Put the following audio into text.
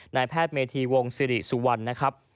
นายแพทย์เมธีวงศิริสุวรรณนะครับ